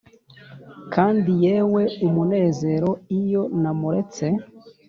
kandi yewe, umunezero iyo namuretse!